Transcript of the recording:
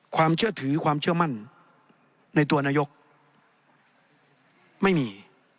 ความเชื่อถือความเชื่อมั่นในตัวนายกไม่มี